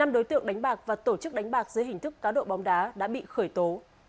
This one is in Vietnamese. năm đối tượng đánh bạc và tổ chức đánh bạc dưới hình thức cá độ bóng đá đã bị khởi tố